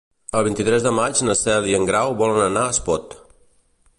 El vint-i-tres de maig na Cel i en Grau volen anar a Espot.